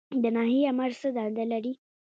د ناحیې آمر څه دنده لري؟